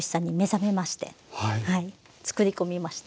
作り込みました。